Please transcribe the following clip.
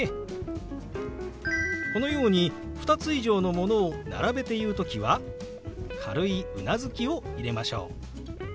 このように２つ以上のものを並べて言う時は軽いうなずきを入れましょう。